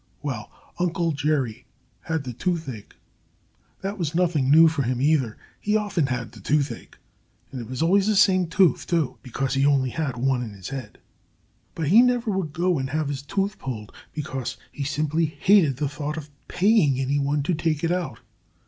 Well, Uncle Jerry had the toothache. That was nothing new for him, either. He often had the toothache. And it was always the same tooth, too because he had only one in his head. But he never would go and have his tooth pulled, because he simply hated the thought of paying anyone to take it out.